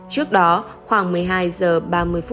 trước đó khoảng một mươi hai h ba mươi